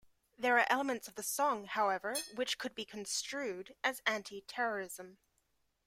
There are elements of the song, however, which could be construed as Anti-Terrorism.